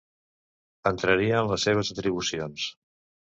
Entraria en les seves atribucions.